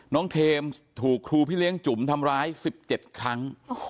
เทมส์ถูกครูพี่เลี้ยงจุ๋มทำร้าย๑๗ครั้ง